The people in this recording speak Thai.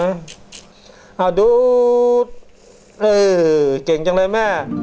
เอาดูเออเก่งจังเลยแม่